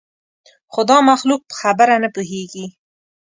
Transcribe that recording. خو دا مخلوق په خبره نه پوهېږي.